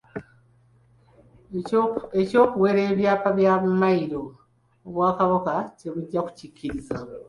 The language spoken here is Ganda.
Eky'okuwera ebyapa bya Mmayiro Obwakabaka tebujja kukikkiriza.